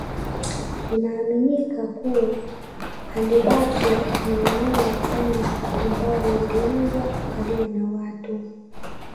Inaaminika kuwa Handebezyo ni eneo la kwanza ambalo lilianza kukaliwa na watu